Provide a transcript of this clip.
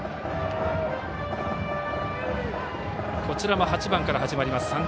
こちらも８番から始まります。